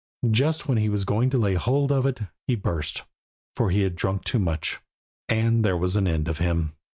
Just when he was going to lay hold of it he burst, for he had drunk too much; and there was an end of him.